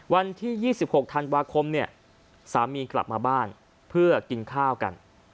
วันที่๒๖ธันวาคมเนี่ยสามีกลับมาบ้านเพื่อกินข้าวกัน